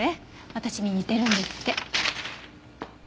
私に似てるんですって。